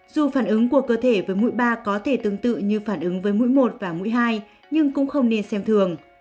dù phản ứng của cơ thể với mũi ba có thể tương tự như phản ứng với mũi một và mũi hai nhưng cũng không nên xem thường